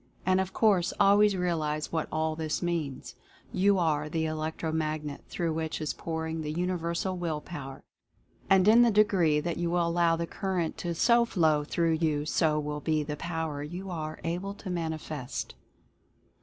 And, of course, always realize what all this means. You are the Electro Magnet through which is pouring the Universal Will Power, and in the degree that you allow the current to so How through you, so will be the Power you are able to manifest.